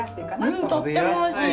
とってもおいしい！